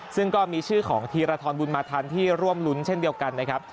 ซึ่งก็มีชื่อของธีรทรบุญมาทันที่ร่วมรุ้นเช่นเดียวกันนะครับ